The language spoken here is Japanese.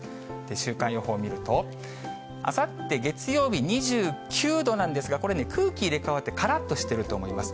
週間予報見ると、あさって月曜日、２９度なんですが、これね、空気入れ代わってからっとしてると思います。